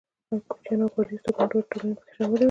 کوچيان او ښاري استوگن دواړه ټولنې پکې شاملې وې.